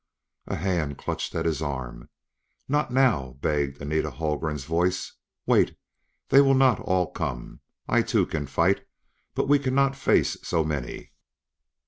A hand clutched at his arm. "Not now!" begged Anita Haldgren's voice. "Wait! They will not all come. I too, can fight; but we cannot face so many!"